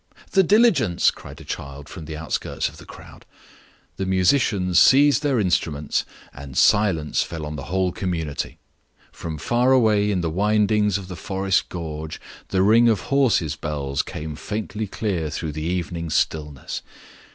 "The diligence!" cried a child from the outskirts of the crowd. The musicians seized their instruments, and silence fell on the whole community. From far away in the windings of the forest gorge, the ring of horses' bells came faintly clear through the evening stillness.